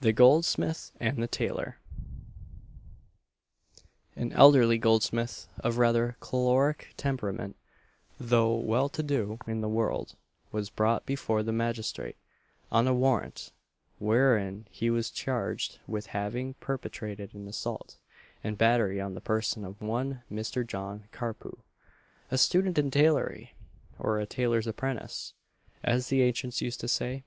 THE GOLDSMITH AND THE TAILOR. An elderly goldsmith of rather choleric temperament, though well to do in the world, was brought before the magistrate on a warrant, wherein he was charged with having perpetrated an assault and battery on the person of one Mr. John Carpue, a student in tailory, or "a tailor's apprentice," as the ancients used to say.